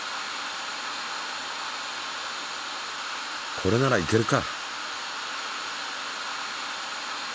これならいけるか。